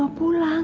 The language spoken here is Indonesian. kamu mau pulang